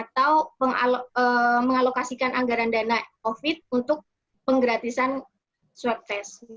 atau mengalokasikan anggaran dana covid untuk penggratisan swab test